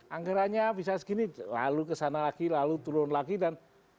anggarannya bisa segini lalu kesana lagi lalu turun lagi dan